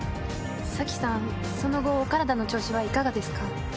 早紀さんその後お体の調子はいかがですか？